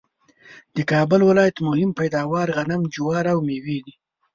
د کابل ولایت مهم پیداوار غنم ،جوار ، او مېوې دي